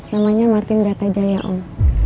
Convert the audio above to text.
namanya martin bratajaya om